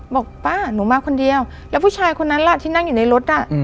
บอกป้าหนูมาคนเดียวแล้วผู้ชายคนนั้นล่ะที่นั่งอยู่ในรถอ่ะ